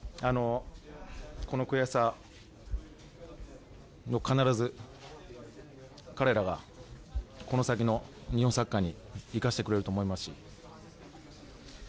この悔しさを必ず、彼らはこの先の日本サッカーに生かしてくれると思いますし。